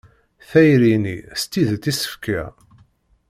Tayri-nni n tidett i s-fkiɣ.